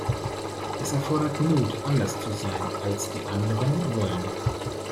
Es erfordert Mut, anders zu sein, als es die anderen wollen.